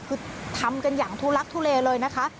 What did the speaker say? คือทำกันอย่างทุลักทุเลเลยนะคะ